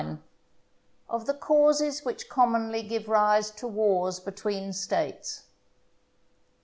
—Of the Causes which commonly give rise to Wars between States.